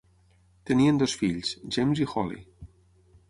Tenien dos fills, James i Holly.